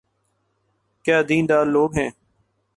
کیا دین دار لوگ ہیں۔